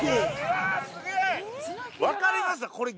分かりましたこれ。